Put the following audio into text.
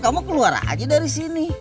kamu mau tetep di sini